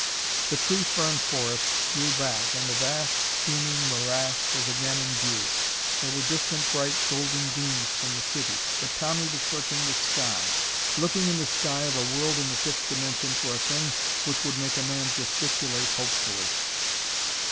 The tree fern forest drew back and the vast and steaming morass was again in view. There were distant bright golden gleams from the city. But Tommy was searching the sky, looking in the sky of a world in the fifth dimension for a thing which would make a man gesticulate hopefully.